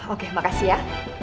oke makasih ya